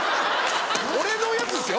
俺のやつっすよ